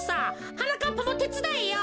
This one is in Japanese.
はなかっぱもてつだえよ。